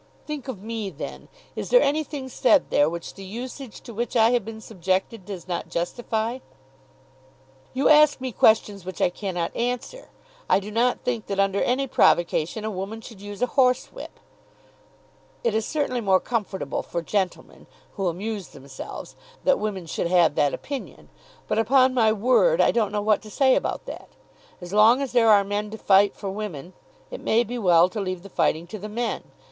"Think of me, then. Is there anything said there which the usage to which I have been subjected does not justify?" "You ask me questions which I cannot answer. I do not think that under any provocation a woman should use a horsewhip." "It is certainly more comfortable for gentlemen, who amuse themselves, that women should have that opinion. But, upon my word, I don't know what to say about that. As long as there are men to fight for women, it may be well to leave the fighting to the men.